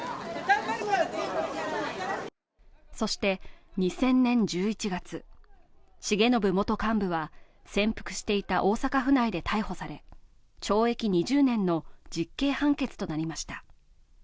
そして２０００年１１月、重信元幹部は潜伏していた大阪府内で逮捕され懲役２０年の実刑判決となりました。